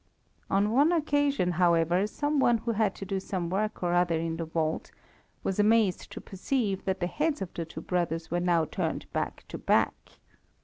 On one occasion, however, some one who had to do some work or other in the vault, was amazed to perceive that the heads of the two brothers were now turned back to back.